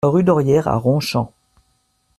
Rue d'Orière à Ronchamp